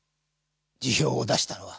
辞表を出したのは。